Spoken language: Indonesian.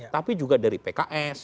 tapi juga dari pks